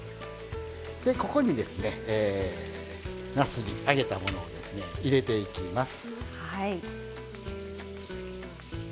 でここにですねなすび揚げたものをですね入れていきます。